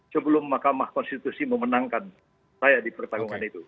sebelum makamah konstitusi memenangkan saya di pertarungan itu